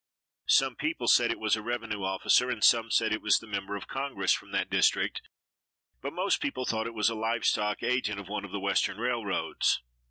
Some people said it was a revenue officer and some said it was the member of Congress from that district, but most people thought it was a live stock agent of one of the western railroads.